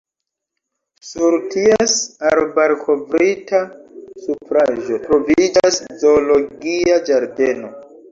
Sur ties arbarkovritta supraĵo troviĝas Zoologia ĝardeno.